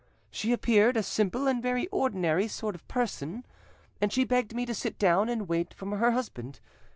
She appeared a simple and very ordinary sort of person, and she begged me to sit down and wait for her husband.